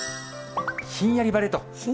ひんやり晴れと。